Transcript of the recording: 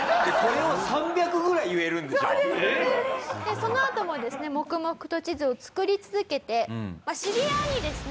そのあともですね黙々と地図を作り続けて知り合いにですね